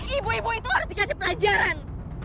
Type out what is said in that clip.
ibu ibu itu harus dikasih pelajaran